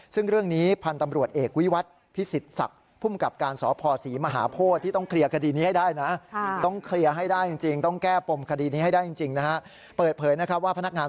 ซึ่งเรื่องนี้พันตำรวจเอกวิวัติภิษศกภูมิกับการ